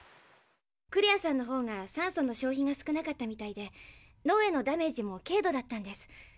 クレアさんのほうが酸素の消費が少なかったみたいで脳へのダメージも軽度だったんです。